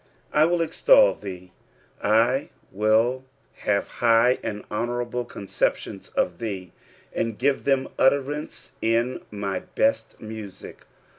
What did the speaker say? "I wiB extol thee." I nill have high and honourable conceptioiiB of tbee, ■nd give them utterance in my hert music.